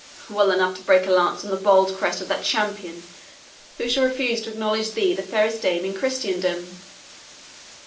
"Well enough to break a lance on the bold crest of that champion who shall refuse to acknowledge thee the fairest dame in Christendom."